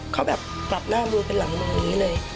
เขาแบบปรับหน้ามือเป็นหลังมืออย่างนี้เลย